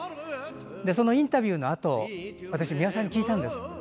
そのインタビューのあと私、美輪さんに聞いたんです。